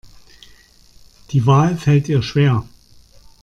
Die Wahl fällt ihr schwer.